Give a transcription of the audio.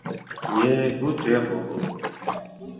Yee kutre mburu.